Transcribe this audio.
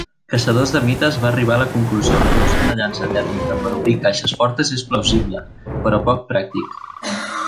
"Caçadors de Mites" va arribar a la conclusió que l'ús d'una llança tèrmica per obrir caixes fortes és plausible, però poc pràctic.